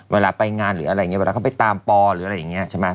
เวลาไปงานหรืออะไรอย่างนี้เวลาเขาไปตามปอหรืออะไรอย่างนี้ใช่ไหม